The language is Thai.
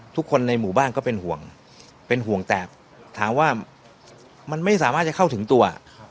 ทุกคนในหมู่บ้านก็เป็นห่วงเป็นห่วงแต่ถามว่ามันไม่สามารถจะเข้าถึงตัว